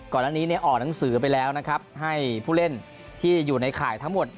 ก่อนอันนี้เนี่ยออกหนังสือไปแล้วนะครับให้ผู้เล่นที่อยู่ในข่ายทั้งหมด